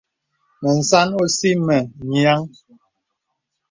Mə sàn ɔ̀sì mə nyàŋ.